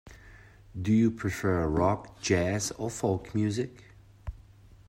Do you prefer rock, jazz, or folk music?